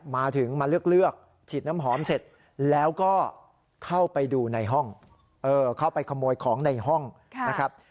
มาถึงมาเลือกฉีดน้ำหอมเสร็จแล้วก็เข้าไปดูในห้องเข้าไปขโมยของในห้องนะครับ